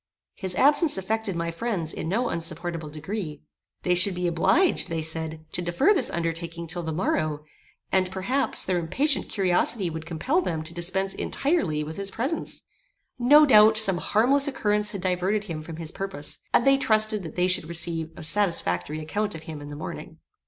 His absence affected my friends in no insupportable degree. They should be obliged, they said, to defer this undertaking till the morrow; and, perhaps, their impatient curiosity would compel them to dispense entirely with his presence. No doubt, some harmless occurrence had diverted him from his purpose; and they trusted that they should receive a satisfactory account of him in the morning.